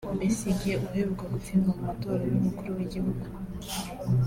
Besigye uheruka gutsindwa mu matora y’umukuru w’igihugu